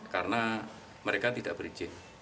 karena mereka tidak berizin